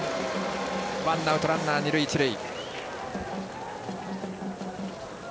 ワンアウトランナー、二塁一塁。